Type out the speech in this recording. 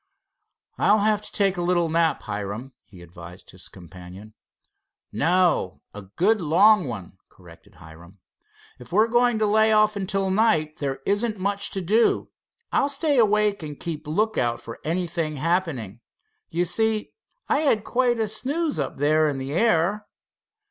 "I'll have to take a little nap, Hiram," he advised his companion. "No, a good long one," corrected Hiram. "If we're going to lay off until night, there isn't much to do. I'll stay awake and keep a look out for anything happening. You see, I had quite a snooze up there in the air."